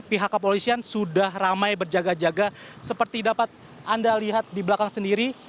pihak kepolisian sudah ramai berjaga jaga seperti dapat anda lihat di belakang sendiri